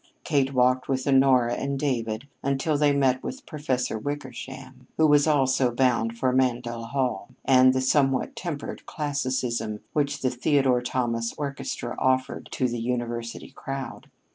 Kate walked with Honora and David until they met with Professor Wickersham, who was also bound for Mandel Hall and the somewhat tempered classicism which the Theodore Thomas Orchestra offered to "the University crowd."